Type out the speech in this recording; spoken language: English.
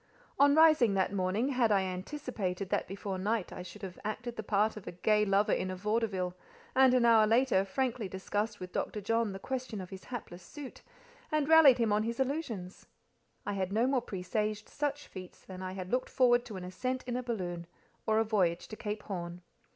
On rising that morning, had I anticipated that before night I should have acted the part of a gay lover in a vaudeville; and an hour after, frankly discussed with Dr. John the question of his hapless suit, and rallied him on his illusions? I had no more presaged such feats than I had looked forward to an ascent in a balloon, or a voyage to Cape Horn.